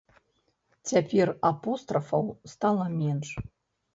Цяпер апострафаў стала менш.